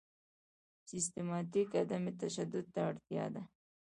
سیستماتیک عدم تشدد ته اړتیا ده.